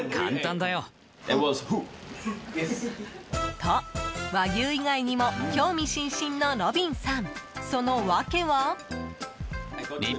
と、和牛以外にも興味津々のロビンさん。